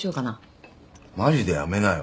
マジでやめなよ。